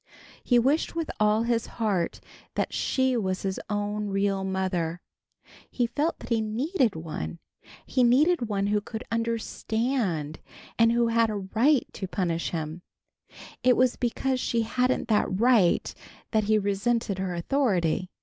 He wished with all his heart that she was his own, real mother. He felt that he needed one. He needed one who could understand and who had a right to punish him. It was because she hadn't that right that he resented her authority.